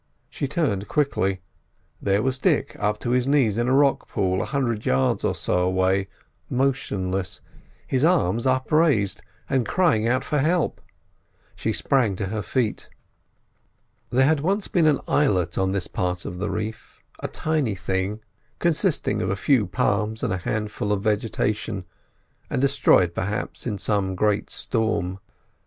She turned quickly. There was Dick up to his knees in a rock pool a hundred yards or so away, motionless, his arms upraised, and crying out for help. She sprang to her feet. There had once been an islet on this part of the reef, a tiny thing, consisting of a few palms and a handful of vegetation, and destroyed, perhaps, in some great storm.